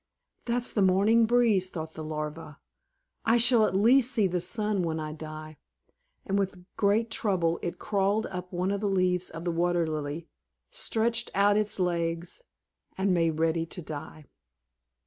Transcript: "That's the morning breeze," thought the Larva; "I shall at least see the sun when I die." And with great trouble it crawled up one of the leaves of the Water Lily, stretched out its legs, and made ready to die.